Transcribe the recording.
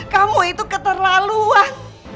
kamu itu keterlaluan